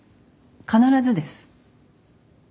必ずです。